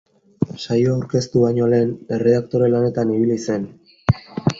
Saioa aurkeztu baino lehen, erredaktore-lanetan ibili zen.